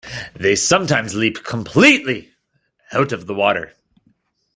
They sometimes leap completely out of the water.